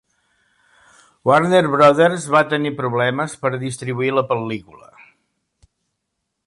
Warner Brothers va tenir problemes per distribuir la pel·lícula.